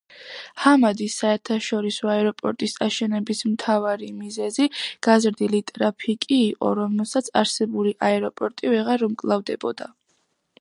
ჰამადის საერთაშორისო აეროპორტის აშენების მთავარი მიზეზი გაზრდილი ტრაფიკი იყო რომელსაც არსებული აეროპორტი ვეღარ უმკლავდებოდა.